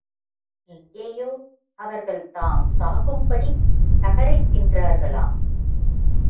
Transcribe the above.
இங்கேயோ அவர்கள் தாம் சாகும்படி தகரைத் தின்றார்களாம்.